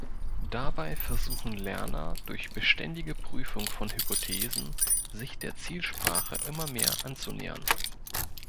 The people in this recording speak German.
Dabei versuchen Lerner durch beständige Prüfung von Hypothesen, sich der Zielsprache immer mehr anzunähern.